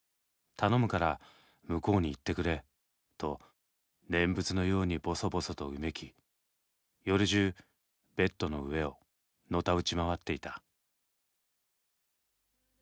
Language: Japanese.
頼むから向こうに行ってくれと念仏のようにぼそぼそと呻き夜じゅうベッドの上をのたうち回っていた」。